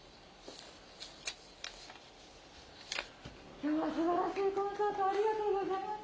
きょうはすばらしいコンサート、ありがとうございました。